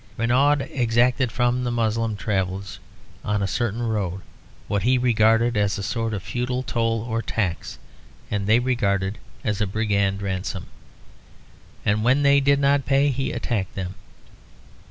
Renaud exacted from Moslem travellers on a certain road what he regarded as a sort of feudal toll or tax, and they regarded as a brigand ransom; and when they did not pay he attacked them.